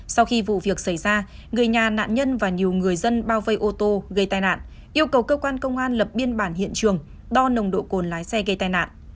sau khi vụ việc xảy ra người nhà nạn nhân và nhiều người dân bao vây ô tô gây tai nạn yêu cầu cơ quan công an lập biên bản hiện trường đo nồng độ cồn lái xe gây tai nạn